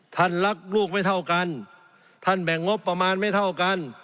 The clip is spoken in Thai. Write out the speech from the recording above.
ท่านรักลูกไม่เท่ากันท่านแบ่งงบประมาณไม่เท่ากัน